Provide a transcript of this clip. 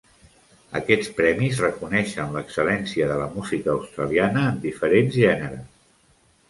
Aquests premis reconeixen l'excel·lència de la música australiana en diferents gèneres.